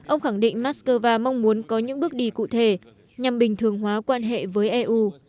ông khẳng định mắc cơ va mong muốn có những bước đi cụ thể nhằm bình thường hóa quan hệ với eu